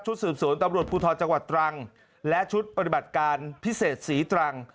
สืบสวนตำรวจภูทรจังหวัดตรังและชุดปฏิบัติการพิเศษศรีตรัง